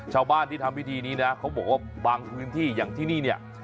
ชาวบ้านที่ทำพิธีนี้นะเขาบอกว่าบางพื้นที่อย่างที่นี่เนี่ย